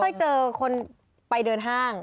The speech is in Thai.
เคยเจอคนไปเดินห้าง